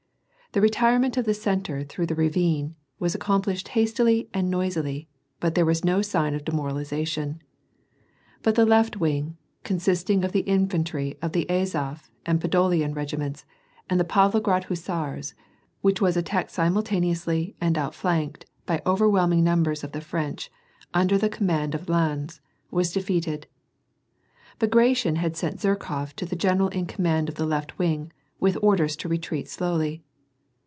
The retirement of the centre through the ravine was accomplished hastily and noisily, bat there was no sign of demoralization. Bat the left wing, consisting of the infantry of the Azof and Podolian regiments, and the Pavlograd hussars, which was at tacked simidtaneously, and outflanked by overwhelming num bers of the French, under the command of Lannes, was de feated Bagration had sent Zherkof to the general in command of the left wing, with orders to retreat slowly.